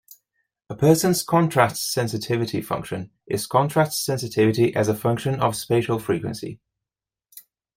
A person's contrast sensitivity function is contrast sensitivity as a function of spatial frequency.